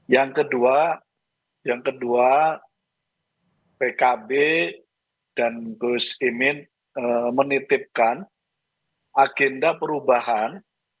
yang kedua yang kedua pkb dan gus imin menitipkan agenda perubahan